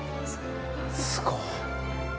すごっ。